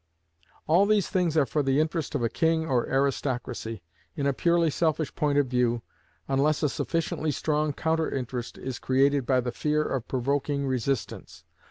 All these things are for the interest of a king or aristocracy, in a purely selfish point of view, unless a sufficiently strong counter interest is created by the fear of provoking resistance.